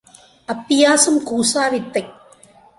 அப்பியாசம் கூசா வித்தை.